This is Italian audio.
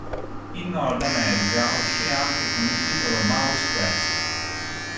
In Nord America uscì anche con il titolo Mouse Quest.